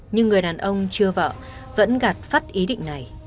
nhưng người đàn ông chưa vợ vẫn gạt phát ý định này